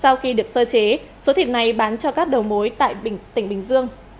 sau khi được sơ chế số thịt này bán cho các đầu mối tại tỉnh bình dương